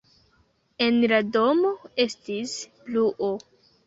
En la domo estis bruo.